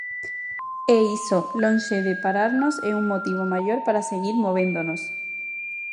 E iso, lonxe de pararnos é un motivo maior para seguir movéndonos.